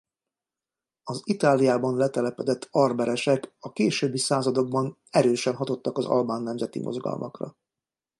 Az Itáliában letelepedett arberesek a későbbi századokban erősen hatottak az albán nemzeti mozgalmakra.